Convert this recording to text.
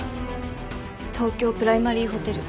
東京プライマリーホテル。